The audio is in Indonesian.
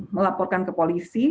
melaporkan ke polisi